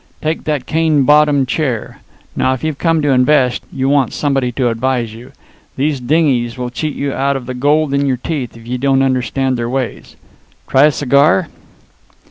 "Take that cane bottom chair. Now if you've come to invest, you want somebody to advise you. These dingies will cheat you out of the gold in your teeth if you don't understand their ways. Try a cigar?"